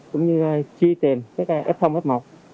cũng như truy tìm các f f một